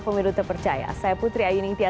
pemilu terpercaya saya putri ayuni